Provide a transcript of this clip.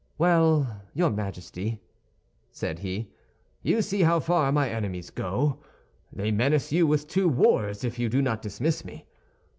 "Well, your Majesty," said he, "you see how far my enemies go; they menace you with two wars if you do not dismiss me.